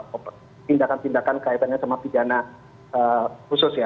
tindakan tindakan kaitannya sama pidana khusus ya